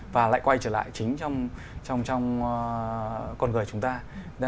và lại quay trở lại chính trong con người chúng ta